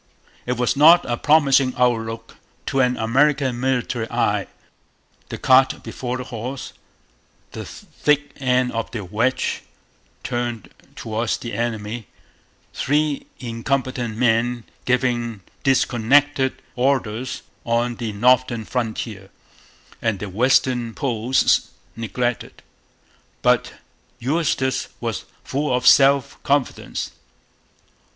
It was not a promising outlook to an American military eye the cart before the horse, the thick end of the wedge turned towards the enemy, three incompetent men giving disconnected orders on the northern frontier, and the western posts neglected. But Eustis was full of self confidence.